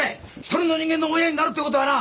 １人の人間の親になるってことはな